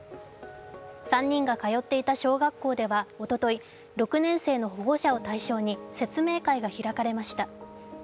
３人が通っていた小学校ではおととい、６年生の保護者を対象に説明会が開かれました。